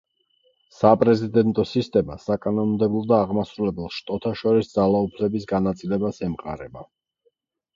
საპრეზიდენტო სისტემა საკანონმდებლო და აღმასრულებელ შტოთა შორის ძალაუფლების განაწილებას ემყარება.